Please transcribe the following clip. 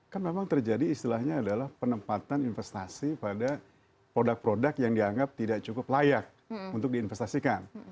kan memang terjadi istilahnya adalah penempatan investasi pada produk produk yang dianggap tidak cukup layak untuk diinvestasikan